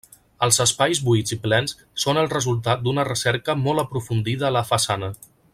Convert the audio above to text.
Els espais buits i plens són el resultat d'una recerca molt aprofundida a la façana.